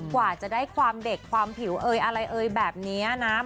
กว่าจะได้ความเด็กความผิวเอยอะไรเอ่ยแบบนี้นะ